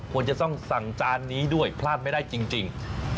ควรจะต้องสั่งจานนี้ด้วยพลาดไม่ได้จริง